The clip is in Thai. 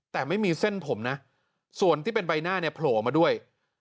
แต่ไม่มีเส้นผมนะส่วนที่เป็นใบหน้าเนี่ยโผล่มาด้วย